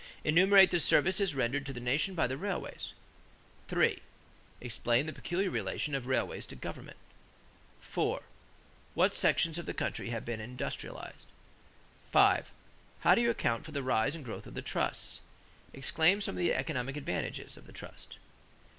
Enumerate the services rendered to the nation by the railways. 3. Explain the peculiar relation of railways to government. 4. What sections of the country have been industrialized? 5. How do you account for the rise and growth of the trusts? Explain some of the economic advantages of the trust.